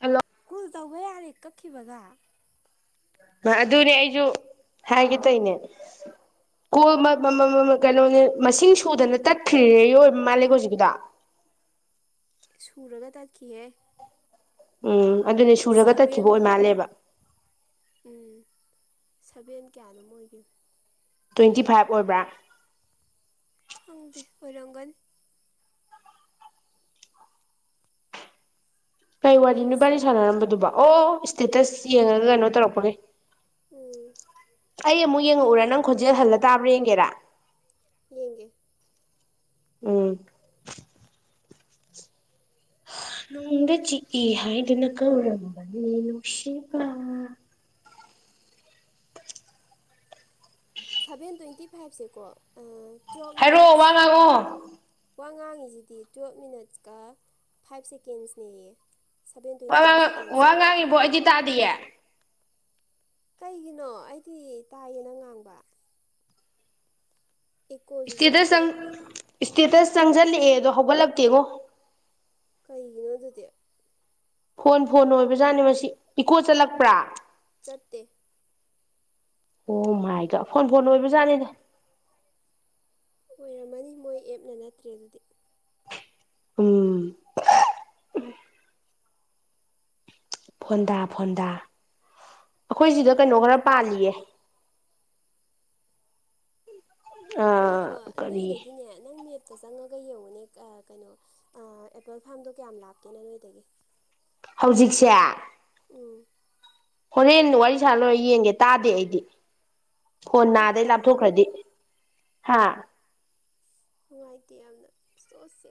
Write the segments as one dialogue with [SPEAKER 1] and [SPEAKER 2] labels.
[SPEAKER 1] Hello
[SPEAKER 2] ꯀꯨꯜ ꯇꯧꯕ ꯌꯥꯔꯦ ꯀꯛꯈꯤꯕꯒ
[SPEAKER 1] ꯑꯗꯨꯅꯦ ꯑꯩꯁꯨ ꯍꯥꯏꯒꯦ ꯇꯣꯏꯅꯦ ꯀꯣ ꯀꯩꯅꯣꯅꯦ ꯃꯁꯤꯡ ꯁꯨꯗꯅ ꯇꯠꯈ꯭ꯔꯤꯦ ꯌ ꯑꯣꯏꯕ ꯃꯥꯜꯂꯦ ꯍꯧꯖꯤꯛꯀꯤꯨꯗ
[SPEAKER 2] ꯁꯨꯔꯒ ꯇꯠꯈꯤꯍꯦ
[SPEAKER 1] ꯎꯝ ꯑꯗꯨꯅꯦ ꯁꯨꯔꯒ
[SPEAKER 2] ꯁꯚꯦꯟ
[SPEAKER 1] ꯇꯠꯈꯤꯕ ꯑꯣꯏ ꯃꯥꯜꯂꯦꯕ
[SPEAKER 2] ꯎꯝ ꯁꯚꯦꯟ ꯀꯌꯥ ꯑꯗꯨꯝ ꯑꯣꯏꯒꯦ
[SPEAKER 1] ꯇ꯭ꯋꯦꯟꯇꯤ ꯐꯥꯏꯚ ꯑꯣꯏꯕ꯭ꯔꯥ
[SPEAKER 2] ꯈꯪꯗꯦ ꯑꯣꯏꯔꯪꯒꯜ
[SPEAKER 1] ꯀꯩ ꯋꯥꯔꯤ ꯅꯨꯄꯥꯅꯤ ꯁꯥꯟꯅꯔꯝꯕꯗꯨꯕ ꯑꯣ ꯏꯁꯇꯦꯇꯁ ꯌꯦꯡꯉꯒ ꯀꯩꯅꯣ ꯇꯧꯔꯛꯄꯒꯦ
[SPEAKER 2] ꯎꯝ
[SPEAKER 1] ꯑꯩ ꯑꯃꯨꯛ ꯌꯦꯡꯉꯛꯎꯔ ꯅꯪ ꯈꯣꯟꯖꯦꯜ ꯍꯜꯂ ꯇꯥꯕ꯭ꯔꯥ ꯌꯦꯡꯒꯦꯔꯥ
[SPEAKER 2] ꯃꯤꯒꯦ
[SPEAKER 1] ꯎꯝ
[SPEAKER 2] [unintelligible]
[SPEAKER 1] ꯗ ꯆꯍ ꯏꯗꯤꯅꯀ ꯎꯔꯝꯕꯁꯤꯥ
[SPEAKER 2] ꯁꯚꯦꯟ ꯇ꯭ꯋꯦꯟꯇꯤ ꯐꯥꯏꯚꯁꯦꯀꯣ ꯇ꯭ꯌꯦꯦꯜꯞ
[SPEAKER 1] ꯍꯥꯏꯔꯛꯑꯣ ꯋꯥ
[SPEAKER 2] ꯃꯤꯅꯠꯁ
[SPEAKER 1] ꯉꯥꯡꯉꯛꯑꯣ
[SPEAKER 2] ꯋꯥ ꯉꯥꯡꯉꯤꯁꯤꯗꯤ ꯇꯨꯋꯦꯜꯞ ꯃꯤꯅꯠꯁꯀ ꯐꯥꯏꯕ ꯁꯦꯀꯦꯟꯁꯅꯦꯌꯦ ꯁꯚꯦꯟ ꯇ꯭ꯋꯦꯟꯇꯤ
[SPEAKER 1] ꯋꯥ
[SPEAKER 2] ꯐꯥꯏꯚ ꯁꯦꯀꯦꯟꯁꯦ
[SPEAKER 1] ꯋꯥ ꯉꯥꯡꯉꯤꯕꯣ ꯑꯩꯗꯤ ꯇꯥꯗꯤꯌꯦꯦ
[SPEAKER 2] ꯀꯩꯒꯤꯅꯣ ꯑꯩꯗꯤ ꯇꯥꯏꯌꯦꯅ ꯉꯥꯡꯕ
[SPEAKER 1] ꯏꯁꯇꯦꯇꯁ
[SPEAKER 2] ꯏꯀꯣꯁꯨꯨꯖꯦ
[SPEAKER 1] ꯆꯪ ꯏꯁꯇꯦꯇꯁ ꯆꯪꯁꯤꯜꯂꯛꯑꯦ ꯑꯗꯣ ꯍꯧꯒꯠꯂꯛꯇꯦꯀꯣ
[SPEAKER 2] ꯀꯩꯒꯤꯅꯣ ꯑꯗꯨꯗꯤ
[SPEAKER 1] ꯐꯣꯟ ꯐꯣꯟꯅ ꯑꯣꯏꯕ ꯖꯥꯠꯅꯤ ꯃꯁꯤ ꯏꯀꯣ ꯆꯠꯂꯛꯄ꯭ꯔꯥ
[SPEAKER 2] ꯆꯠꯇꯦ
[SPEAKER 1] ꯑꯣ ꯃꯥꯏꯗ ꯐꯣꯟ ꯐꯣꯟꯅ ꯑꯣꯏꯕ ꯖꯥꯠꯅꯤꯗ
[SPEAKER 2] ꯑꯣꯏꯔꯝꯃꯅꯤ ꯃꯣꯏ ꯑꯦꯞꯅ ꯅꯠꯇ꯭ꯔꯦ ꯑꯗꯨꯗꯤ
[SPEAKER 1] ꯎꯝ ꯐꯣꯟꯗꯥ ꯐꯣꯟꯗꯥ ꯑꯩꯈꯣꯏ
[SPEAKER 2] ꯐꯣꯟꯗꯥ
[SPEAKER 1] ꯁꯤꯗ ꯀꯩꯅꯣ ꯈꯔ
[SPEAKER 2] ꯐꯣꯟꯗꯥ
[SPEAKER 1] ꯄꯥꯜꯂꯤꯌꯦ
[SPEAKER 2] ꯉꯈꯣ
[SPEAKER 1] ꯀꯔꯤ
[SPEAKER 2] ꯅꯣꯏꯗꯒꯤꯅꯦ ꯅꯪ ꯅꯦꯠ ꯑꯇ ꯆꯪꯉꯒ ꯌꯦꯡꯉꯨꯅꯦ ꯀꯩꯅꯣ ꯑꯦꯄꯜ ꯐꯥꯝꯗꯣ ꯀꯌꯥꯝ ꯂꯥꯞꯀꯦꯅ ꯅꯣꯏꯗꯒꯤ
[SPEAKER 1] ꯍꯧꯖꯤꯛꯁꯦ
[SPEAKER 2] ꯎꯝ
[SPEAKER 1] ꯍꯣꯔꯦꯟ ꯋꯥꯔꯤ ꯁꯥ ꯂꯣꯏꯔ ꯌꯦꯡꯒꯦ ꯇꯥꯗꯦ ꯑꯩꯗꯤ ꯍꯣꯟ
[SPEAKER 2] ꯑꯩꯗꯤ
[SPEAKER 1] ꯅꯥꯗꯩ
[SPEAKER 2] ꯇꯥꯏꯌꯦ
[SPEAKER 1] ꯂꯥꯞꯊꯣꯛꯈ꯭ꯔꯗꯤ ꯍꯥ
[SPEAKER 2] ꯅꯨꯡꯉꯥꯏꯇꯦ ꯌꯥꯝꯅ ꯆꯣꯠꯁꯦ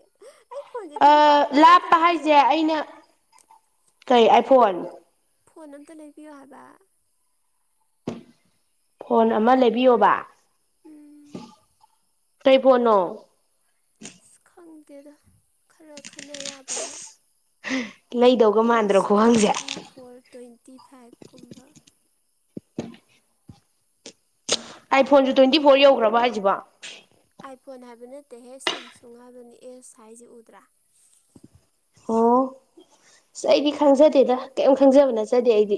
[SPEAKER 1] ꯂꯥꯞꯄ ꯍꯥꯏꯁꯦ ꯑꯩꯅ ꯀꯩ ꯑꯥꯏꯐꯣꯟ
[SPEAKER 2] ꯐꯣꯟ ꯑꯝꯇ ꯂꯩꯕꯤꯌꯣ ꯍꯥꯏꯕ
[SPEAKER 1] ꯐꯣꯟ ꯑꯃ ꯂꯩꯕꯤꯌꯣꯕ
[SPEAKER 2] ꯎꯝ
[SPEAKER 1] ꯇꯩ ꯄꯅꯣ
[SPEAKER 2] ꯑꯁ ꯈꯪꯗꯦꯗ ꯈꯔ ꯈꯟꯅ ꯌꯥꯕ ꯑꯃ
[SPEAKER 1] ꯂꯩꯗꯧꯒ ꯃꯥꯟꯗ꯭ꯔꯣ ꯈꯨꯍꯪꯁꯦ
[SPEAKER 2] ꯐꯤꯇꯤ ꯐꯥꯏꯚ ꯀꯨꯝꯕ
[SPEAKER 1] ꯑꯥꯏ ꯐꯣꯟꯁꯨ ꯇ꯭ꯋꯦꯟꯇꯤ ꯐꯣꯔ ꯌꯧꯈ꯭ꯔꯕ ꯍꯥꯏꯁꯤꯕꯣ
[SPEAKER 2] ꯑꯥꯏꯐꯣꯟ ꯍꯥꯏꯕ ꯅꯠꯇꯦꯍꯦ ꯁꯦꯝꯁꯨꯡ ꯍꯥꯏꯕꯅꯤ ꯑꯦꯁ ꯍꯥꯢꯁꯤ ꯎꯗ꯭ꯔꯥ
[SPEAKER 1] ꯑꯣ ꯑꯩꯗꯤ ꯈꯪꯖꯗꯦꯗ ꯀꯩꯝ ꯈꯪꯖꯕ ꯅꯠꯆꯗꯦ ꯑꯩꯗꯤ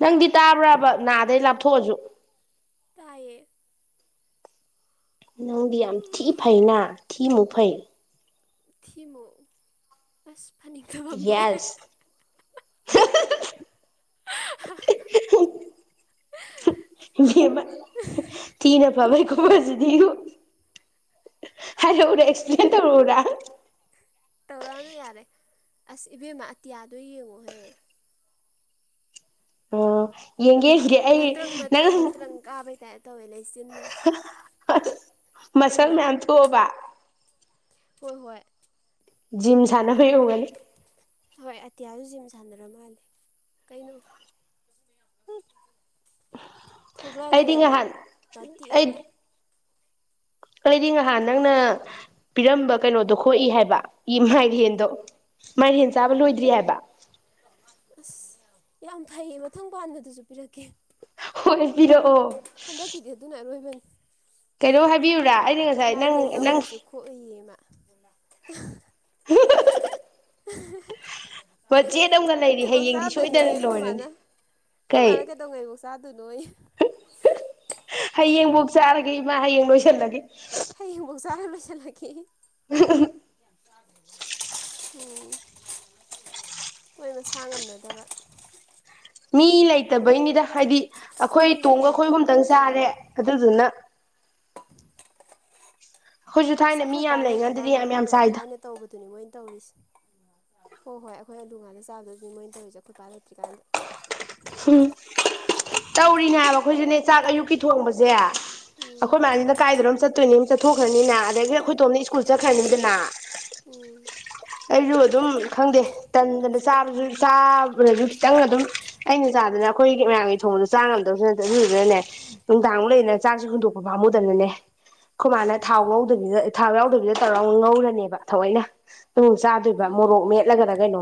[SPEAKER 1] ꯅꯪꯗꯤ ꯇꯥꯕ꯭ꯔꯕ ꯅꯥꯗꯩ ꯂꯥꯞꯊꯣꯛꯑꯁꯨ
[SPEAKER 2] ꯇꯌꯦ
[SPEAKER 1] ꯅꯪꯗꯤ ꯌꯥꯝ ꯊꯤ ꯐꯩꯅ ꯊꯤꯃꯨꯛ ꯐꯩ
[SPEAKER 2] ꯊꯤꯃꯨꯛ ꯑꯁ ꯐꯅꯤꯡꯇꯕ ꯑꯃ ꯕꯣꯛꯌꯦ
[SPEAKER 1] ꯌꯦꯁ
[SPEAKER 2] [inaudible]
[SPEAKER 1] ꯊꯤ ꯅ ꯐꯕ ꯁꯤꯗꯤ ꯍꯥꯏꯔꯛꯎꯔ ꯑꯦꯛꯁꯄ꯭ꯂꯦꯟ ꯇꯧꯔꯛꯎꯔꯥ
[SPEAKER 2] ꯇꯧꯔꯛꯑꯅꯣ ꯌꯥꯔꯦ ꯑꯁ ꯏꯕꯦꯝꯃ ꯑꯇꯤꯌꯥꯗꯣ ꯌꯦꯡꯉꯣꯍꯦ
[SPEAKER 1] ꯑꯣ ꯌꯦꯡꯒꯦ ꯌꯦꯡꯒꯦ ꯑꯩ
[SPEAKER 2] ꯃꯇ꯭ꯔꯪ
[SPEAKER 1] ꯅꯪ
[SPEAKER 2] ꯃꯇ꯭ꯔꯪ ꯃꯇ꯭ꯔꯪ ꯀꯥꯕꯩ ꯇꯥꯏꯞ ꯇꯧꯋꯦ ꯂꯩꯆꯤꯟꯅ
[SPEAKER 1] ꯃꯁꯜ
[SPEAKER 2] ꯎꯕ꯭ꯔꯥ
[SPEAKER 1] ꯃꯌꯥꯝ ꯊꯣꯛꯑꯕ
[SPEAKER 2] ꯍꯣꯏ ꯍꯣꯏ
[SPEAKER 1] ꯖꯤꯝ ꯁꯅꯕꯩ ꯑꯣꯢꯔꯝꯒꯅꯤ
[SPEAKER 2] ꯍꯣꯏ ꯑꯇꯤꯌꯥꯁꯨ ꯖꯤꯝ ꯁꯥꯟꯅꯔ ꯃꯥꯜꯂꯦ ꯀꯩꯅꯣ ꯊꯣꯛꯂꯥꯥꯛꯑꯒ
[SPEAKER 1] ꯑꯩꯗꯤ
[SPEAKER 2] ꯌꯦꯡꯉꯣ
[SPEAKER 1] ꯉꯍꯥꯟ
[SPEAKER 2] ꯃꯇꯦꯛ
[SPEAKER 1] ꯑꯩ
[SPEAKER 2] ꯑꯃ
[SPEAKER 1] ꯑꯩꯗꯤ ꯅꯍꯥꯟ ꯅꯪꯅ ꯄꯤꯔꯝꯕ ꯀꯩꯅꯣꯗꯣ ꯈꯣꯏ ꯍꯥꯏꯕ ꯃꯥꯏꯂꯦꯟꯗꯣ ꯃꯥꯏꯂꯦꯟ ꯆꯥꯕ ꯂꯣꯏꯗ꯭ꯔꯤ ꯍꯥꯏꯕ
[SPEAKER 2] ꯑꯁ ꯌꯥꯝ ꯐꯩꯌꯦ ꯃꯊꯪ ꯄꯥꯟꯕꯗꯁꯨ ꯄꯤꯔꯛꯀꯦ
[SPEAKER 1] ꯍꯣꯏ ꯄꯤꯔꯛꯑꯣ
[SPEAKER 2] ꯍꯦꯟꯗꯛꯀꯤꯗꯤ ꯑꯗꯨꯅ ꯑꯔꯣꯏꯕꯅꯤ
[SPEAKER 1] ꯀꯩꯅꯣ ꯍꯥꯏꯕꯤꯌꯨꯨꯔꯥ
[SPEAKER 2] ꯃꯥꯏꯔꯦꯟꯗꯣ ꯍꯧꯖꯤꯛꯁꯨ ꯈꯣꯛꯏꯌꯦꯕ [inaudible]
[SPEAKER 1] ꯃꯆꯦꯠ ꯑꯃꯒ ꯂꯩꯔꯤ ꯍꯌꯦꯡꯗꯤ ꯁꯣꯏꯗꯅ ꯂꯣꯏꯔꯅꯤ
[SPEAKER 2] ꯈꯣꯏ
[SPEAKER 1] ꯀꯩ
[SPEAKER 2] ꯃꯥꯅ ꯀꯩꯗꯧꯉꯩꯕꯧ ꯆꯥꯗꯣꯏꯅꯣꯌꯦ
[SPEAKER 1] ꯍꯌꯦꯡꯕꯣꯛ ꯆꯥꯔꯒꯦ ꯏꯃꯥ ꯍꯌꯦꯡ ꯂꯣꯏꯁꯜꯂꯒꯦ
[SPEAKER 2] ꯍꯌꯦꯡꯕꯧ ꯆꯥꯔ ꯂꯣꯏꯁꯜꯂꯛꯀꯦ
[SPEAKER 1] [inaudible]
[SPEAKER 2] ꯎꯝ ꯃꯣꯏ ꯃꯁꯥ ꯉꯝꯅꯗꯕ
[SPEAKER 1] ꯃꯤ ꯂꯩꯇꯕꯩꯅꯤꯗ ꯍꯥꯏꯗꯤ ꯑꯩꯈꯣꯏ
[SPEAKER 2] ꯃꯤꯁꯨ
[SPEAKER 1] ꯇꯣꯡꯒ
[SPEAKER 2] ꯂꯩꯇꯕ
[SPEAKER 1] ꯑꯩꯈꯣꯏꯒꯨꯝꯇꯪ
[SPEAKER 2] ꯆꯨꯝꯃꯦ
[SPEAKER 1] ꯆꯥꯔꯦ ꯑꯗꯨꯗꯨꯅ ꯑꯩꯈꯣꯏꯁꯨ
[SPEAKER 2] ꯑꯁ
[SPEAKER 1] ꯊꯥꯏꯅ ꯃꯤ
[SPEAKER 2] ꯑꯩꯈꯣꯏ ꯏꯄꯥ
[SPEAKER 1] ꯌꯥꯝ
[SPEAKER 2] ꯂꯩꯇ
[SPEAKER 1] ꯂꯩꯉꯥꯟꯗꯗꯤ
[SPEAKER 2] ꯀꯥꯟꯗ
[SPEAKER 1] ꯌꯥꯝ ꯌꯥꯝ
[SPEAKER 2] ꯑꯩꯈꯣꯏꯅ
[SPEAKER 1] ꯆꯥꯏꯗ
[SPEAKER 2] ꯊꯥꯏꯅ ꯇꯧꯕꯗꯨꯅꯤ ꯃꯣꯏꯅ ꯇꯧꯔꯤꯁꯦ ꯍꯣꯏ ꯍꯣꯏ ꯑꯩꯈꯣꯏ ꯑꯂꯨ ꯉꯥꯟꯅ ꯆꯥꯕꯗꯅꯤ ꯃꯣꯏꯅ ꯇꯧꯔꯤꯁꯦ ꯈꯨꯠꯀ ꯂꯩꯇ꯭ꯔꯤꯀꯥꯟꯗ
[SPEAKER 1] ꯎꯝ ꯇꯧꯔꯤꯅꯦ ꯍꯥꯏꯕ ꯑꯩꯈꯣꯏꯁꯨꯅꯦ ꯆꯥꯛ ꯑꯌꯨꯛꯀꯤ ꯊꯣꯡꯕꯁꯦ
[SPEAKER 2] ꯎꯝ
[SPEAKER 1] ꯑꯩꯈꯣꯏ ꯃꯌꯥꯝꯁꯤꯅ ꯀꯥꯏꯗꯣꯏꯅꯣ ꯆꯠꯇꯣꯏꯅꯤ ꯆꯠꯊꯣꯛꯈ꯭ꯔꯅꯤꯅ ꯑꯗꯒꯤ ꯑꯩꯈꯣꯏ ꯇꯣꯝꯅ ꯁ꯭ꯀꯨꯜ ꯆꯠꯈ꯭ꯔꯅꯤꯗꯅ
[SPEAKER 2] ꯎꯝ
[SPEAKER 1] ꯑꯩꯁꯨ ꯑꯗꯨꯝ ꯈꯪꯗꯦ ꯇꯟꯗꯅ ꯆꯥ ꯆꯥꯕꯗꯁꯨ ꯈꯤꯇꯪ ꯑꯗꯨꯝ ꯑꯩꯅ ꯆꯥꯗꯅ ꯑꯩꯈꯣꯏꯒꯤ ꯃꯌꯥꯝꯒꯤ ꯊꯣꯡꯗ ꯆꯥ ꯉꯝꯗꯕꯁꯨ ꯅꯠꯇ ꯑꯗꯨꯗꯨꯅꯅꯦ ꯅꯨꯡꯗꯥꯡꯃꯨꯛ ꯂꯩꯗꯅ
[SPEAKER 2] ꯎꯝ
[SPEAKER 1] ꯆꯥꯛꯁꯨ ꯍꯨꯟꯗꯣꯛꯄ ꯄꯥꯝꯃꯨꯗꯕꯅꯅꯦ ꯈꯣꯢ ꯃꯅ ꯊꯥꯎ ꯉꯧꯗꯕꯤꯗ ꯊꯥꯎ ꯌꯥꯎꯗꯕꯤꯗ ꯇꯧꯔ ꯉꯧꯔꯅꯦꯕ ꯊꯑꯣꯏꯅ ꯅ ꯆꯥꯗꯣꯏ
[SPEAKER 2] ꯎꯝ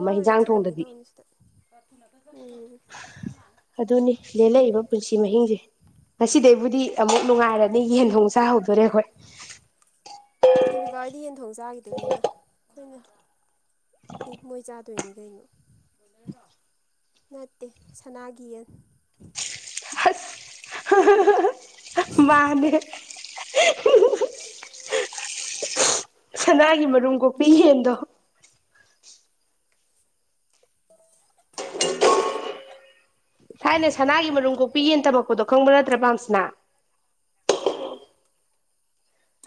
[SPEAKER 2] ꯌꯥꯎꯔꯦ ꯊꯤꯗꯣꯛꯀꯦ ꯇꯧꯅꯤ ꯁꯤꯗ ꯎꯝ
[SPEAKER 1] ꯑꯗꯨꯅꯤ ꯂꯦꯜꯂꯛꯏꯕ ꯄꯨꯟꯁꯤ ꯃꯍꯤꯡꯁꯦ ꯉꯁꯤꯗꯩꯕꯨꯗꯤ ꯑꯃꯨꯛ ꯅꯨꯡꯉꯥꯏꯔꯅꯤ ꯌꯦꯟꯊꯣꯡ ꯆꯥꯍꯧꯗꯣꯔꯦ ꯑꯈꯣꯏ
[SPEAKER 2] ꯔꯩꯃꯥ ꯈꯣꯏꯅ ꯏ ꯃꯣꯏ ꯆꯥ ꯇꯣꯏꯅꯤ ꯀꯩꯅꯣ ꯅꯠꯇꯦ ꯁꯅꯥꯒꯤ ꯌꯦꯟ
[SPEAKER 1] ꯑꯁ ꯃꯥꯅꯦ ꯁꯅꯥꯒꯤ ꯃꯔꯨꯝ ꯀꯣꯛꯄꯤ ꯌꯦꯟꯗꯣ ꯁꯥꯏꯅ ꯁꯅꯥꯒꯤ ꯃꯔꯨꯝ ꯀꯣꯛꯄꯤ ꯌꯦꯟ ꯇꯝꯃꯛꯄꯗꯣ ꯈꯪꯕ ꯅꯠꯇ꯭ꯔꯥ ꯄꯥꯝꯁꯤꯅꯥ
[SPEAKER 2] ꯈꯪꯉꯦ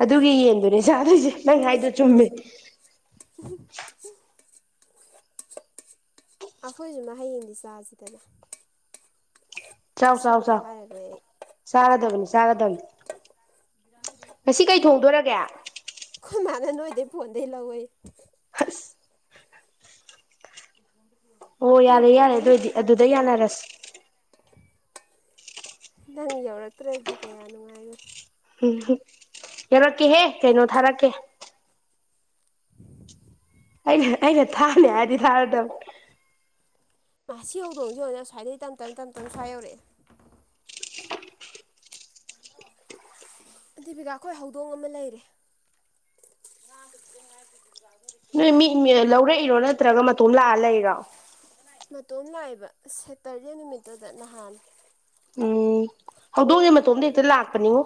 [SPEAKER 1] ꯑꯗꯨꯒꯤ ꯌꯦꯟꯗꯨꯅꯦ ꯆꯥꯗꯣꯏꯁꯦ ꯅꯪ ꯍꯥꯏꯗꯣ ꯆꯨꯝꯃꯦ
[SPEAKER 2] ꯎ ꯑꯩꯈꯣꯏꯁꯨ ꯍꯌꯦꯡꯗꯤ ꯆꯥꯁꯤꯗꯅ
[SPEAKER 1] ꯆꯥꯎ ꯆꯥꯎ
[SPEAKER 2] ꯉꯁꯤꯕꯨꯗꯤ
[SPEAKER 1] ꯆꯥꯎ
[SPEAKER 2] ꯍꯥꯏꯔꯔꯣꯏ ꯑꯩ
[SPEAKER 1] ꯁꯔꯥꯗꯒꯅꯤ ꯁꯔꯗꯕꯅꯤ ꯉꯁꯤ ꯀꯩ ꯊꯣꯡꯗꯣꯏꯔꯒꯦ
[SPEAKER 2] ꯅꯣꯏꯗꯒꯤ ꯐꯣꯟꯗꯒꯤ ꯂꯧꯋꯦ
[SPEAKER 1] ꯍꯁ ꯑꯣ ꯌꯥꯔꯦ ꯌꯥꯔꯦ
[SPEAKER 2] ꯇꯦꯡꯀꯣꯠ
[SPEAKER 1] ꯑꯗꯨ ꯑꯣꯏꯗꯤ
[SPEAKER 2] ꯑꯃꯠꯇ
[SPEAKER 1] ꯑꯗꯨꯗ
[SPEAKER 2] ꯍꯥꯞꯄꯛꯑꯣꯌꯦ
[SPEAKER 1] ꯌꯥꯅꯔꯁꯤ
[SPEAKER 2] ꯅꯪ ꯌꯧꯔꯛꯇ꯭ꯔꯗꯤ ꯀꯌꯥ ꯅꯨꯡꯉꯥꯏꯔꯤ
[SPEAKER 1] ꯎꯝ ꯌꯧꯔꯛꯀꯦꯍꯦ ꯀꯩꯅꯣ ꯊꯥꯔꯛꯀꯦ ꯑꯩꯅ ꯑꯩꯅ ꯊꯥꯅꯦ ꯍꯥꯏꯗꯤ ꯊꯥꯔꯗ
[SPEAKER 2] ꯃꯥ ꯁꯤ ꯌꯧꯗꯣꯡꯁꯤ ꯌꯧ ꯁꯁ꯭ꯥꯏꯗꯗꯒꯤ ꯇ ꯇꯞ ꯇ ꯇꯞ ꯁ꯭ꯋꯥ ꯌꯧꯔꯛꯑꯦ ꯗꯦꯕꯤꯀꯥ ꯑꯩꯈꯣꯏ ꯍꯧꯗꯣꯡ ꯑꯃ ꯂꯩꯔꯦ
[SPEAKER 1] ꯅꯣꯏ ꯃꯤ ꯂꯧꯔꯛꯏꯔꯣ ꯅꯠꯇ꯭ꯔꯒ ꯃꯇꯣꯝ ꯂꯥꯛꯑ ꯂꯩꯔꯣ
[SPEAKER 2] ꯃꯇꯣꯝ ꯂꯥꯛꯏꯕ ꯁꯦꯇꯔꯗꯦ ꯅꯨꯃꯤꯠꯇꯨꯗ ꯅꯍꯥꯟ
[SPEAKER 1] ꯎꯝ ꯍꯧꯗꯣꯡꯁ ꯃꯇꯣꯝꯗ ꯍꯦꯛꯇ ꯂꯥꯛꯄꯅꯤꯉꯣ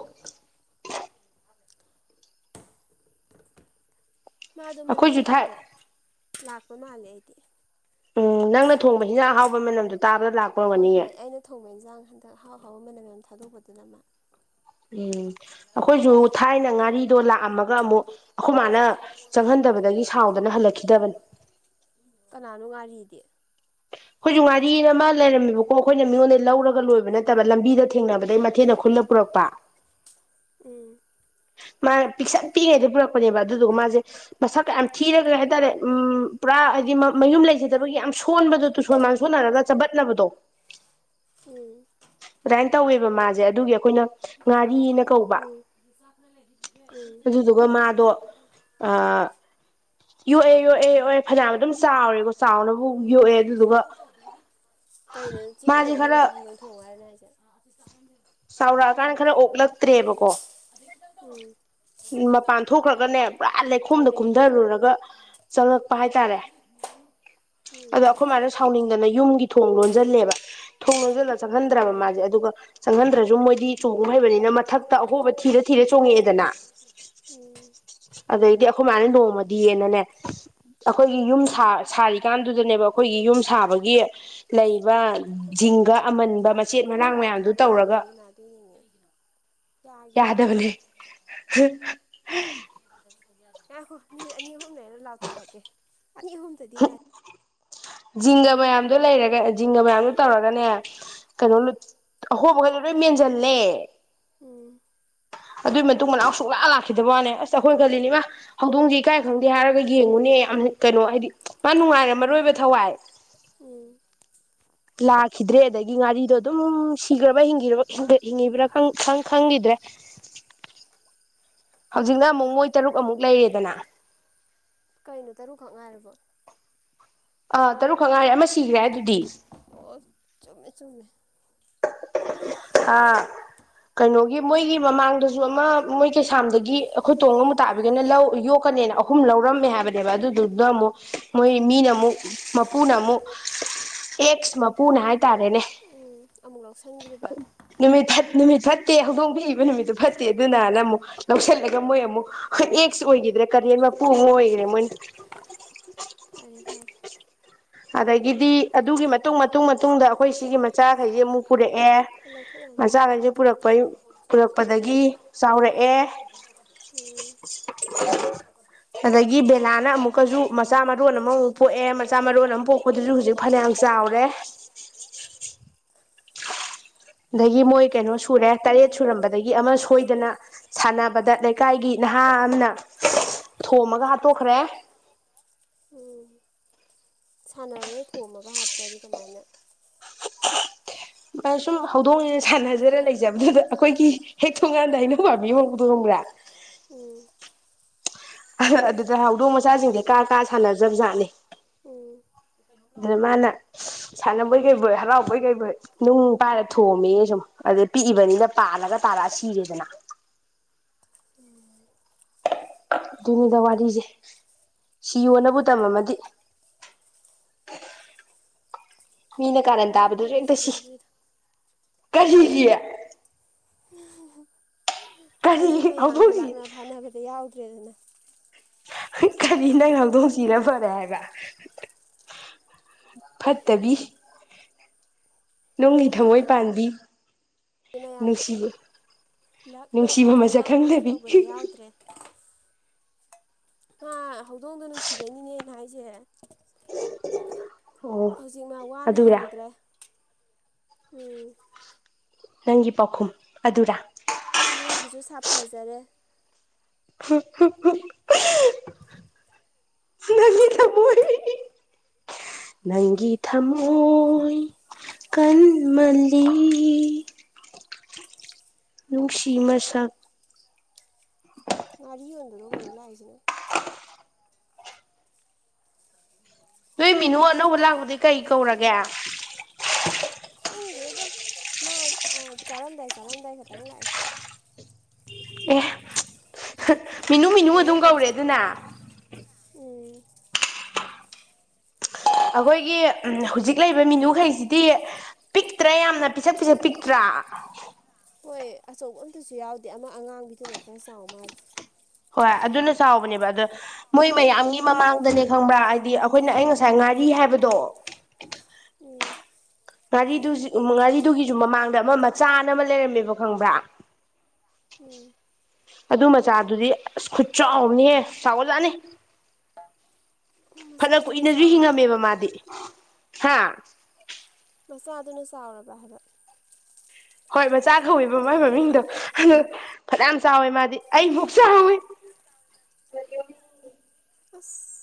[SPEAKER 2] ꯃꯥꯗꯣ ꯃꯅꯝ
[SPEAKER 1] ꯑꯩꯈꯣꯏꯁꯨ ꯊꯥꯏ
[SPEAKER 2] ꯃꯍꯥꯗ ꯂꯥꯛꯄ ꯃꯥꯜꯂꯦ ꯑꯩꯗꯤ
[SPEAKER 1] ꯎꯝ ꯅꯪꯅ ꯊꯣꯡꯕ ꯍꯤꯟꯖꯥꯡ ꯍꯍꯥꯎꯕꯩ ꯃꯅꯝꯗꯨ ꯇꯥꯕꯗ
[SPEAKER 2] ꯍꯣꯏ
[SPEAKER 1] ꯂꯥꯛꯄꯒꯅꯤꯌꯦ
[SPEAKER 2] ꯍꯣꯏ ꯑꯩꯅ ꯊꯣꯡꯕ ꯏꯟꯖꯥꯡ ꯍꯟꯗꯛ ꯑꯥꯎ ꯍꯥꯎꯕ ꯃꯅꯌꯥꯝ ꯌꯥꯝꯌꯥꯝ ꯊꯥꯗꯣꯛꯄꯗꯨꯅ ꯑꯃ
[SPEAKER 1] ꯎꯝ ꯑꯗꯣ ꯂꯥꯛꯑꯝꯃꯒ ꯑꯃꯨꯛ ꯑꯩꯈꯣꯏ ꯃꯥꯅ ꯆꯪꯍꯟꯗꯕꯗꯒꯤ ꯁꯥꯎꯗꯅ ꯍꯜꯂꯛꯈꯤꯗꯕꯅꯤ
[SPEAKER 2] ꯀꯅꯥꯅꯨ ꯉꯔꯤ ꯃꯤꯗꯤ
[SPEAKER 1] ꯑꯩꯈꯣꯏꯁꯨ ꯉꯥꯔꯤ ꯑꯃ ꯂꯩꯔꯝꯃꯦꯕꯀꯣ ꯑꯩꯈꯣꯏꯅ ꯃꯤꯉꯣꯟꯗ ꯂꯧꯔꯒ ꯂꯣꯏꯕ ꯅꯠꯇꯕ ꯂꯝꯕꯤꯗ ꯊꯦꯡꯅꯕꯗ ꯑꯗꯩ ꯃꯊꯦꯜꯅ ꯈꯨꯜꯂ ꯄꯨꯔꯛꯄ
[SPEAKER 2] ꯍꯝ
[SPEAKER 1] ꯃꯥꯅ ꯄꯤꯛꯁꯛ ꯄꯤꯛꯉꯩꯗ ꯄꯨꯔꯛꯄꯅꯦꯕ ꯑꯗꯨꯗꯨꯒ ꯃꯥꯁꯦ ꯃꯁꯛ ꯀꯌꯥꯝ ꯊꯤꯔꯒ ꯍꯥꯏꯇꯥꯔꯦ ꯎ ꯄꯨꯔꯥ ꯍꯥꯏꯕꯗꯤ ꯃꯌꯨꯝ ꯂꯩꯖꯗꯕꯒꯤ ꯌꯥꯝ ꯁꯣꯟꯕꯗꯣ ꯇꯨꯁꯣꯟ ꯃꯥꯡꯁꯣꯟꯅꯔꯒ ꯆꯄꯠꯅꯕꯗꯣ
[SPEAKER 2] ꯎꯝ
[SPEAKER 1] ꯀꯃꯅ ꯇꯧꯋꯦꯕ ꯃꯥꯁꯦ ꯑꯗꯨꯒꯤ ꯑꯩꯈꯣꯏꯅ ꯉꯥꯔꯤꯅ ꯀꯧꯕ
[SPEAKER 2] ꯎꯝ ꯎꯝ
[SPEAKER 1] ꯑꯗꯨꯗꯨꯒ ꯃꯥꯗꯣ ꯑ ꯌꯣꯛꯑꯦ ꯌꯣꯛꯑꯦ ꯌꯣꯛꯑꯦ ꯐꯅꯌꯥꯝꯅ ꯑꯗꯨꯝ ꯆꯥꯎꯔꯦꯀꯣ ꯆꯥꯎꯅꯕꯨ ꯌꯣꯛꯑꯦ ꯑꯗꯨꯗꯨꯒ ꯃꯥꯁꯦ ꯈꯔ ꯆꯥꯎꯔꯛꯑꯀꯥꯟꯗ ꯈꯔ ꯑꯣꯛꯂꯛꯇ꯭ꯔꯦꯕꯀꯣ
[SPEAKER 2] ꯎ ꯎꯝ
[SPEAKER 1] ꯃꯄꯥꯟ ꯊꯣꯛꯈ꯭ꯔꯒꯅꯦ ꯄꯨꯔꯥ ꯂꯩꯈꯣꯝꯗ
[SPEAKER 2] ꯇꯧꯔꯦ ꯈꯤꯇꯪ
[SPEAKER 1] ꯀꯨꯝꯊꯔꯨꯔꯒ ꯆꯉꯛꯄ ꯍꯥꯏꯇꯥꯔꯦ
[SPEAKER 2] ꯎꯝ
[SPEAKER 1] ꯑꯗꯣ ꯑꯩꯈꯣꯏꯃꯥꯏꯅ ꯁꯥꯎꯅꯤꯡꯗꯅ ꯌꯨꯝꯒꯤ ꯊꯣꯡ ꯂꯣꯟꯁꯤꯜꯂꯦꯕ ꯊꯣꯡꯅꯁꯤꯜꯂ ꯆꯪꯍꯟꯗ꯭ꯔꯕ
[SPEAKER 2] ꯎꯝ
[SPEAKER 1] ꯃꯥꯁꯦ ꯑꯗꯨꯒ ꯆꯪꯍꯟꯗ꯭ꯔꯁꯨ ꯃꯣꯏ ꯆꯣꯡꯉꯨ ꯍꯩꯕꯅꯤꯅ ꯃꯊꯛꯇ ꯑꯍꯣꯕ ꯊꯤꯔ ꯊꯤꯔ ꯆꯣꯡꯉꯛꯑꯦꯗꯅ
[SPEAKER 2] ꯎꯝ
[SPEAKER 1] ꯑꯩꯗꯤ ꯑꯩꯈꯣꯏ ꯃꯥꯅ ꯅꯣꯡꯃꯗꯤꯌꯦꯅꯅꯦ ꯑꯩꯈꯣꯏꯒꯤ ꯌꯨꯝ ꯁꯥ ꯁꯥꯔꯤꯀꯥꯟꯗꯨꯗꯅꯦꯕ ꯑꯩꯈꯣꯏꯒꯤ ꯌꯨꯝ ꯁꯥꯕꯒꯤ ꯂꯩꯕ ꯇꯤꯡꯒ ꯑꯃꯟꯕ ꯃꯆꯦꯠ ꯃꯅꯥꯥꯡ ꯃꯌꯥꯝꯗꯨ ꯇꯧꯔꯒ
[SPEAKER 2] ꯌꯥꯗꯦꯅꯦꯃ ꯑꯗꯨꯣꯏꯅꯦꯅꯦ
[SPEAKER 1] ꯌꯥꯗꯕꯅꯦ
[SPEAKER 2] ꯑꯥ ꯍꯣ ꯃꯤꯅꯤꯠ ꯑꯅꯤ ꯑꯍꯨꯝ ꯂꯩꯔ ꯂꯥꯎ ꯊꯥꯔꯛꯀꯦ ꯑꯅꯤ ꯑꯍꯨꯝꯗꯗꯤ ꯉꯥꯏ
[SPEAKER 1] ꯖꯤꯡꯒ ꯃꯌꯥꯝꯗꯣ ꯂꯩꯔꯒ ꯖꯤꯡꯒ ꯃꯌꯥꯝꯗꯣ ꯇꯧꯔꯒꯅꯦ ꯀꯩꯅꯣ
[SPEAKER 2] ꯎꯝ
[SPEAKER 1] ꯑꯍꯣꯕꯒ ꯑꯔ ꯃ ꯆꯜꯂꯦ
[SPEAKER 2] ꯎꯝ
[SPEAKER 1] ꯑꯗꯨꯏ ꯃꯇꯨꯡ ꯃꯅꯥꯎ ꯁꯨꯡꯂꯥꯛ ꯂꯥꯛꯈꯤꯗꯕꯅꯦ ꯑꯁ ꯑꯩꯈꯣꯏꯅ ꯈꯜꯂꯤꯅꯤꯃ ꯍꯧꯗꯣꯡꯁꯦ ꯏꯀꯥꯏ ꯈꯪꯗꯦ ꯍꯥꯏꯔꯒ ꯌꯦꯡꯉꯨꯅꯦ ꯌꯥꯝ ꯀꯩꯅꯣ ꯍꯥꯏꯗꯤ ꯃꯥ ꯅꯨꯡꯉꯥꯏꯔꯦ ꯃꯔꯣꯏ ꯑꯣꯏꯕ ꯊꯋꯥꯏ
[SPEAKER 2] ꯎꯝ
[SPEAKER 1] ꯂꯥꯛꯈꯤꯗ꯭ꯔꯦ ꯑꯗꯒꯤ ꯉꯥꯔꯤꯗꯣ ꯑꯗꯨꯝ ꯁꯤꯈ꯭ꯔꯕꯤꯡ ꯍꯤꯡꯕ꯭ꯔꯥ ꯈꯪꯈꯤꯗ꯭ꯔꯦ
[SPEAKER 2] [unintelligible]
[SPEAKER 1] ꯍꯧꯖꯤꯛꯅ ꯑꯃꯨꯛ ꯃꯣꯏ ꯇꯔꯨꯛ ꯑꯃꯨꯛ ꯂꯩꯔꯦꯗꯅ
[SPEAKER 2] ꯀꯩꯅꯣ ꯇꯔꯨꯛꯈꯛ ꯉꯥꯏꯔꯕꯣ
[SPEAKER 1] ꯑꯥ ꯇꯔꯨꯛ ꯈꯛꯉꯥꯏꯔꯦ ꯑꯃ ꯁꯤꯈ꯭ꯔꯦ ꯑꯗꯨꯗꯤ
[SPEAKER 2] ꯆꯨꯝꯉꯃꯦ
[SPEAKER 1] ꯍꯥꯥ ꯀꯩꯅꯣꯒꯤ ꯃꯣꯏꯒꯤ ꯃꯃꯥꯡꯗꯁꯨ ꯑꯃ ꯃꯣꯏ ꯀꯩꯁꯥꯝꯗꯒꯤ ꯑꯩꯈꯣꯏ ꯇꯣꯡ ꯑꯃ ꯇꯥꯕꯤꯒꯅ ꯂꯧ ꯌꯣꯛ ꯅꯦꯅ ꯑꯍꯨꯝ ꯂꯧꯔꯝꯃꯦ ꯍꯥꯏꯕꯅꯦꯕ ꯑꯗꯨꯗꯨꯗ ꯑꯃꯨꯛ ꯃꯣꯏ ꯃꯤꯅ ꯑꯃꯨꯛ ꯃꯄꯨꯅ ꯑꯃꯨꯛ ꯑꯦꯁ ꯃ ꯄꯨꯅ ꯍꯥꯏ
[SPEAKER 2] ꯎꯝ ꯑꯃꯨꯛ ꯂꯧꯁꯟꯈ꯭ꯔꯤꯕ
[SPEAKER 1] ꯅꯨꯃꯤꯠ ꯅꯨꯃꯤꯠ ꯐꯠꯇꯦ ꯍꯧꯗꯣꯡ ꯊꯣꯛꯏꯕ ꯅꯨꯃꯤꯠꯇꯨ ꯐꯠꯇꯦ ꯑꯗꯨꯅꯅ ꯑꯃꯨꯛ ꯂꯧꯁꯤꯜꯂꯒ ꯃꯣꯏ ꯑꯃꯨꯛ ꯐ ꯑꯦꯛꯁ ꯑꯣꯏꯈꯤꯗ꯭ꯔꯥ ꯀꯔꯤ ꯃꯄꯨ ꯑꯃ ꯑꯣꯏꯒꯔꯦ ꯃꯣꯏꯅ
[SPEAKER 2] ꯐꯔꯦ ꯐꯔꯦ
[SPEAKER 1] ꯑꯗꯒꯤꯗꯤ ꯑꯗꯨꯒꯤ ꯃꯇꯨꯡ ꯃꯇꯨꯡ ꯃꯇꯨꯡꯗ ꯑꯩꯈꯣꯏ ꯁꯤꯒꯤ ꯃꯆꯥꯈꯩꯁꯦ ꯑꯃꯨꯛ ꯄꯨꯔꯛꯑꯦ
[SPEAKER 2] ꯑꯩ ꯂꯧꯊꯣꯛ ꯌꯥꯅꯤ
[SPEAKER 1] ꯃꯆꯥꯈꯩꯁꯨ ꯄꯨꯔꯛꯄꯩ ꯄꯨꯔꯛꯄꯗꯒꯤ ꯆꯥꯎꯔꯛꯑꯦ
[SPEAKER 2] ꯎꯝ
[SPEAKER 1] [inaudible] ꯑꯗꯒꯤ ꯕꯦꯂꯥꯅ ꯑꯃꯨꯛꯀꯁꯨ ꯃꯆꯥ ꯃꯔꯣꯟ ꯑꯃꯃꯨꯛ ꯄꯣꯛꯑꯦ ꯃꯆꯥ ꯃꯔꯣꯟ ꯑꯃ ꯄꯣꯛꯄꯗꯁꯨ ꯍꯧꯖꯤꯛ ꯐꯅ ꯌꯥꯝ ꯆꯥꯎꯔꯦ [unintelligible] ꯑꯗꯒꯤ ꯃꯣꯏ ꯀꯩꯅꯣ ꯁꯨꯔꯦ ꯇꯔꯦꯠ ꯁꯨꯔꯝꯕꯗꯒꯤ ꯑꯃ ꯁꯣꯏꯗꯅ ꯁꯥꯟꯅꯕꯗ ꯂꯩꯀꯥꯏꯒꯤ ꯅꯍꯥ ꯑꯃꯅ ꯊꯣꯝꯃꯒ ꯍꯥꯠꯇꯣꯛꯈ꯭ꯔꯦ
[SPEAKER 2] ꯎꯝ ꯁꯥꯟꯅꯕꯗ ꯊꯣꯝꯃꯒ ꯍꯥꯠꯄꯗꯤ ꯀꯃꯥꯏꯅ
[SPEAKER 1] ꯑ ꯁꯨꯝ ꯍꯧꯗꯣꯡꯅ ꯁꯥꯟꯅꯖꯔ ꯂꯩꯖꯕꯗꯨꯗ ꯑꯩꯈꯣꯏꯒꯤ ꯍꯦꯛ ꯊꯣꯡꯀꯥꯟꯗ ꯑꯩꯅꯧ ꯄꯥꯝꯕꯤ ꯍꯣꯡꯕꯗ ꯍꯣꯡꯕ꯭ꯔꯥ
[SPEAKER 2] ꯎꯝ
[SPEAKER 1] ꯑꯗꯨꯗ ꯍꯧꯗꯣꯡ ꯃꯆꯥꯁꯤꯡꯁꯦ ꯀꯥ ꯀꯥ ꯁꯥꯟꯅꯖꯕ ꯖꯥꯠꯅꯦ
[SPEAKER 2] ꯎꯝ
[SPEAKER 1] ꯑꯗꯨ꯭ꯔꯃꯅ ꯁꯥꯟꯅꯕꯣꯏ ꯀꯩꯕꯣꯏ ꯍꯔꯥꯎꯕꯣꯏ ꯀꯩꯕꯣꯏ ꯅꯨꯡ ꯄꯥꯏꯔ ꯊꯣꯝꯃꯦ ꯁꯨꯝ ꯑꯗꯨꯗꯩ ꯄꯤꯛꯏꯕꯅꯤꯅ ꯄꯥꯜꯂꯒ ꯇꯥ ꯈꯔ ꯁꯤꯔꯦꯗꯅ
[SPEAKER 2] [inaudible]
[SPEAKER 1] ꯗꯨꯅꯤꯗ ꯋꯥꯔꯤꯖꯦ ꯁꯤꯌꯣꯅꯕꯨ ꯇꯝꯃꯝꯃꯗꯤ
[SPEAKER 2] [inaudible]
[SPEAKER 1] ꯃꯤꯅ ꯀꯥꯔꯟ
[SPEAKER 2] ꯐꯔꯦ
[SPEAKER 1] ꯇꯥꯕꯗꯖꯨ
[SPEAKER 2] ꯐꯔꯦ
[SPEAKER 1] ꯍꯦꯛꯇ ꯁꯤ
[SPEAKER 2] ꯁꯤꯖꯈ꯭ꯔꯤꯗꯣ
[SPEAKER 1] ꯀꯔꯤꯒꯤ ꯀꯔꯤ
[SPEAKER 2] ꯍꯧꯖꯤꯛ ꯃꯌꯥꯝꯒꯤ
[SPEAKER 1] ꯍꯧꯗꯣꯡꯁꯤ
[SPEAKER 2] ꯂꯥꯛꯅ ꯐꯥꯅꯕꯗ ꯌꯥꯎꯗ꯭ꯔꯦꯗꯅ
[SPEAKER 1] ꯀꯔꯤ ꯅꯪꯅ ꯍꯧꯗꯣꯡ ꯁꯤꯔ ꯐꯔꯦ ꯍꯥꯏꯕ ꯐꯠꯇꯕꯤ ꯅꯨꯡꯒꯤ ꯊꯝꯃꯣꯏ
[SPEAKER 2] ꯅꯠꯇꯦ
[SPEAKER 1] ꯄꯥꯟꯕꯤ ꯅꯨꯡꯁꯤꯌꯦ
[SPEAKER 2] ꯂꯛꯅꯥ ꯐꯥꯅꯕ ꯑꯃ ꯑꯃ ꯇꯧꯕꯗ ꯌꯥꯎꯗ꯭ꯔꯦ [unintelligible] ꯑ ꯍꯧꯗꯣꯡꯗꯣ ꯅꯨꯡꯁꯤꯕꯩꯅꯤꯅꯦ ꯑꯩꯅ ꯍꯥꯏꯁꯦ
[SPEAKER 1] ꯑꯣ
[SPEAKER 2] ꯍꯧꯖꯤꯛ ꯃꯥ ꯋꯥꯅ
[SPEAKER 1] ꯑꯗꯨꯔꯥ
[SPEAKER 2] ꯍꯤꯡꯗ꯭ꯔꯦ ꯎꯝ
[SPEAKER 1] ꯅꯪꯒꯤ ꯄꯥꯎꯈꯨꯝ ꯑꯗꯨꯔꯥ
[SPEAKER 2] ꯅꯣꯏꯒꯤꯁꯨ ꯁꯥꯐꯖꯔꯦ
[SPEAKER 1] ꯉ ꯅꯪꯒꯤꯤ ꯊꯝꯣ ꯀꯟꯃꯜꯂꯤh. ꯎ ꯁꯤꯤꯃꯁ
[SPEAKER 2] ꯉꯔꯤꯣꯗ ꯂ ꯀꯩꯅ ꯂꯑꯁꯤꯅ
[SPEAKER 1] ꯅꯣꯏ ꯃꯤꯅꯨ ꯑꯅꯧꯕ ꯂꯥꯛꯄꯗꯤ ꯀꯩ ꯀꯧꯔꯒꯦ
[SPEAKER 2] ꯗꯦꯗꯣ ꯃꯥ ꯆꯔꯝꯗꯥ ꯆꯔꯝꯗꯥꯏ ꯈꯈꯤꯇꯪ ꯂꯥꯛꯑ
[SPEAKER 1] ꯑꯦ ꯍ ꯃꯤꯅꯨ ꯃꯤꯅꯨ
[SPEAKER 2] ꯂꯣꯏꯔꯦ
[SPEAKER 1] ꯑꯗꯨꯝ ꯀꯧꯔꯦ
[SPEAKER 2] ꯆꯠꯈꯤ
[SPEAKER 1] ꯑꯗꯨꯅ
[SPEAKER 2] ꯎꯝ
[SPEAKER 1] ꯑꯩꯈꯣꯏꯒꯤ [unintelligible] ꯍꯨꯖꯤꯛ ꯂꯩꯕ ꯃꯤꯅꯨꯈꯩꯁꯤꯗꯤ ꯄꯤꯛꯇ꯭ꯔꯥ ꯌꯥꯝꯅ ꯄꯤꯁꯛ ꯄꯤꯁꯛ ꯄꯤꯛꯇ꯭ꯔꯥ
[SPEAKER 2] ꯍꯣꯏ ꯑꯆꯧꯕ ꯑꯝꯇꯁꯨ ꯌꯥꯎꯗꯦ ꯑꯃ ꯑꯉꯥꯡꯕꯤꯗꯨꯅ ꯈꯔ ꯆꯥꯎ ꯃꯥꯜꯂꯦ
[SPEAKER 1] ꯍꯣꯏ ꯑꯗꯨꯅ ꯆꯥꯎꯕꯅꯦꯕ ꯑꯗꯣ ꯃꯣꯏ ꯃꯌꯥꯝꯒꯤ ꯃꯃꯥꯡꯗꯅꯦ ꯈꯪꯕ꯭ꯔꯥ ꯑꯩꯗꯤ ꯑꯩꯈꯣꯏꯅ ꯑꯩ ꯉꯁꯥꯏ ꯉꯥꯔꯤ ꯍꯥꯏꯕꯗꯣ
[SPEAKER 2] [inaudible]
[SPEAKER 1] ꯉꯥꯔꯤꯗꯨꯖꯤꯛ ꯎ ꯉꯥꯔꯤꯗꯨꯒꯤꯖꯨ ꯃꯃꯥꯡꯗ ꯑꯃ ꯃꯆꯥꯅ ꯑꯃ ꯂꯩꯔꯝꯃꯦꯕ ꯈꯪꯕ꯭ꯔꯥ
[SPEAKER 2] ꯎꯝ
[SPEAKER 1] ꯑꯗꯨ ꯃꯆꯥꯗꯨꯗꯤ ꯑꯁ ꯈꯨꯠ ꯆꯥꯎꯕꯅꯤꯍꯦ ꯆꯥꯎꯒꯠꯂꯛꯅꯤ ꯐꯅ
[SPEAKER 2] ꯃꯆꯥꯗꯨꯅ
[SPEAKER 1] ꯀꯨꯏꯅꯁꯨ
[SPEAKER 2] ꯆꯥꯎꯔꯕ
[SPEAKER 1] ꯍꯤꯡꯉꯝꯃꯦꯕ ꯃꯥꯗꯤ ꯍꯥ
[SPEAKER 2] ꯃꯆꯥꯗꯨꯅ ꯆꯥꯎꯔꯕ ꯍꯥꯏꯕ
[SPEAKER 1] ꯍꯣꯏ ꯃꯆꯥ ꯀꯧꯋꯦꯕ ꯃꯣꯏ ꯃꯃꯤꯡꯗꯣ ꯑꯗꯨ ꯐꯅꯌꯥꯝ ꯆꯥꯎꯋꯦ ꯃꯥꯗꯤ ꯑꯩꯃꯨꯛ ꯆꯥꯎꯋꯤ
[SPEAKER 2] ꯏꯁ